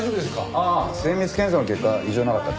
ああ精密検査の結果異常なかったって。